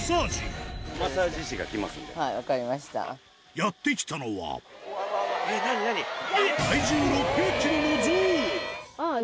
やって来たのはえっ何？